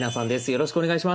よろしくお願いします。